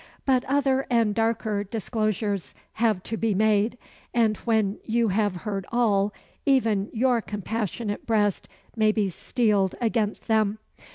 But other and darker disclosures have to be made; and when you have heard all, even your compassionate breast may be steeled against them.